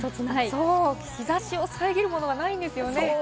日差しを遮るものがないんですよね。